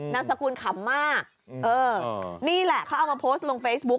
นามสกุลขำมากเออนี่แหละเขาเอามาโพสต์ลงเฟซบุ๊ค